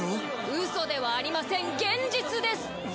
ウソではありません現実です！